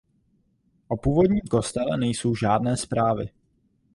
O původním kostele nejsou žádné zprávy.